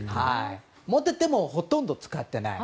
持っていてもほとんど使っていない。